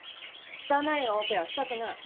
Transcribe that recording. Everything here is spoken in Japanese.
汚いオペはしたくない。